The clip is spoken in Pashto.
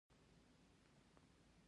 د غور باغونه چهارمغز لري.